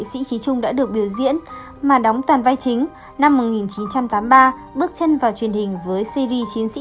được nhiều biểu diễn mà đóng toàn vai chính năm một nghìn chín trăm tám mươi ba bước chân vào truyền hình với cv chiến sĩ